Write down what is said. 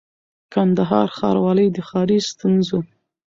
کندهار ښاروالۍ د ښاري ستونزو